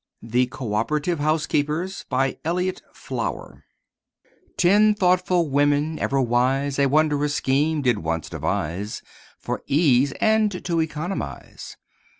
THE CO OPERATIVE HOUSEKEEPERS BY ELLIOTT FLOWER Ten thoughtful women, ever wise, A wondrous scheme did once devise For ease, and to economize.